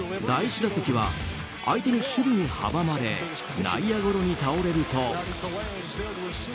第１打席は相手の守備に阻まれ内野ゴロに倒れると。